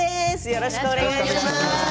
よろしくお願いします。